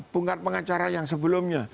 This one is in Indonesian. bukan pengacara yang sebelumnya